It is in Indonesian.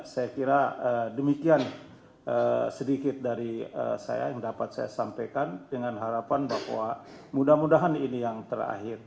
saya kira demikian sedikit dari saya yang dapat saya sampaikan dengan harapan bahwa mudah mudahan ini yang terakhir